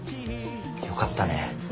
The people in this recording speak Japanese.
よかったね。